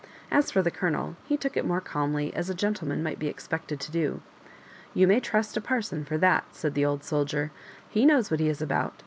As for the Colonel, he took it more calmly, as a gentleman might be expected to do. " You may trust a parson for that," said the old soldier. "He knows what he is about.